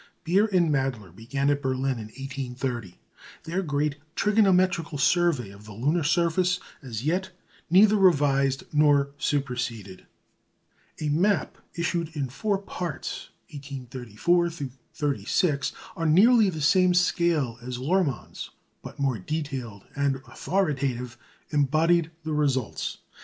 Beer and Mädler began at Berlin in 1830 their great trigonometrical survey of the lunar surface, as yet neither revised nor superseded. A map, issued in four parts, 1834 36, on nearly the same scale as Lohrmann's, but more detailed and authoritative, embodied the results.